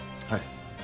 はい。